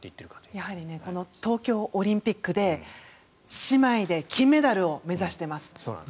やはり東京オリンピックで姉妹で金メダルを目指しています。